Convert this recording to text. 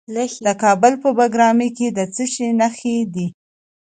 د کابل په بګرامي کې د څه شي نښې دي؟